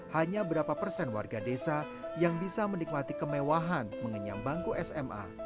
hanya berapa persen warga desa yang bisa menikmati kemewahan mengenyam bangku sma